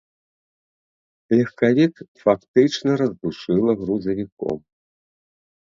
Легкавік фактычна раздушыла грузавіком.